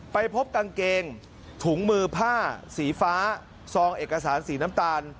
ไปพบกางเกงถุงมือผ้าสีฟ้าซองเอกสารสีน้ำตาล